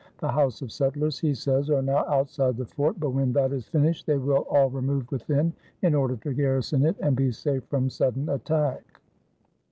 "The houses of settlers," he says, "are now outside the fort; but when that is finished they will all remove within, in order to garrison it and be safe from sudden attack."